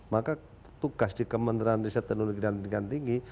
maka tugas di kementerian riset teknologi dan pendidikan tinggi